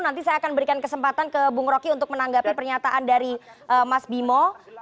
nanti saya akan berikan kesempatan ke bung roky untuk menanggapi pernyataan dari mas bimo